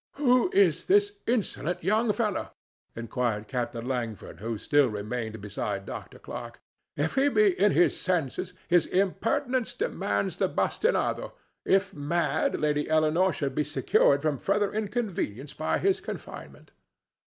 "Who is this insolent young fellow?" inquired Captain Langford, who still remained beside Dr. Clarke. "If he be in his senses, his impertinence demands the bastinado; if mad, Lady Eleanore should be secured from further inconvenience by his confinement."